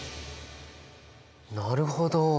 なるほど！